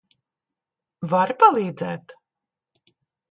Vari palīdzēt?